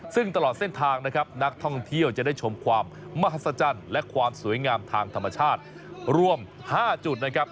ซึ่งตลอดเส้นทางนะครับนักท่องเที่ยวจะได้ชมความมหัศจรรย์และความสวยงามทางธรรมชาติรวม๕จุดนะครับ